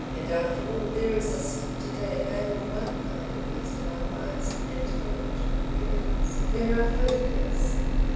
And after all there exists to day available one kind at least of unbiassed anthropological evidence. There are photographs.